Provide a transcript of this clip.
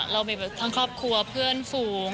เรามีทั้งครอบครัวเพื่อนฝูง